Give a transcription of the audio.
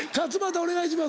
お願いします。